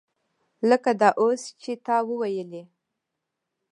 لکه دا اوس چې تا وویلې.